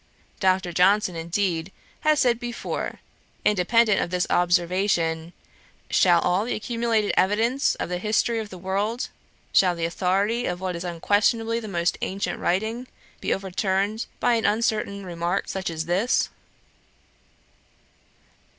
Dr. Johnson, indeed, had said before, independent of this observation, 'Shall all the accumulated evidence of the history of the world; shall the authority of what is unquestionably the most ancient writing, be overturned by an uncertain remark such as this?